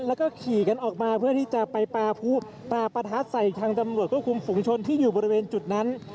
แล้วก็ขี่กันออกมาเพื่อที่จะไปปลาประทัดใส่ทางตำรวจควบคุมฝุงชนที่อยู่บริเวณจุดนั้น